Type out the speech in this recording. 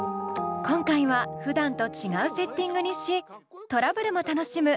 今回はふだんと違うセッティングにしトラブルも楽しむ☆